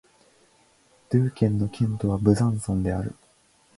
ドゥー県の県都はブザンソンである